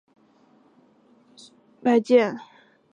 耿秉带他去拜见窦固。